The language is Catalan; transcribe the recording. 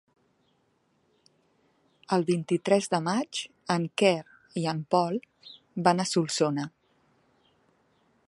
El vint-i-tres de maig en Quer i en Pol van a Solsona.